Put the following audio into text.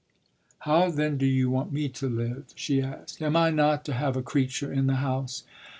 "How then do you want me to live?" she asked. "Am I not to have a creature in the house?"